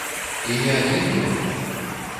І не адзін ён!